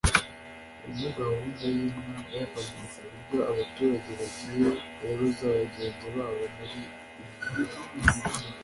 harimo iyi gahunda y’Inka y’akaguru ku buryo abaturage bagiye boroza bagenzi babo muri ubu buryo